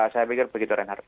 saya pikir begitu renhard